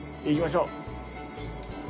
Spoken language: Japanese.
行きましょう。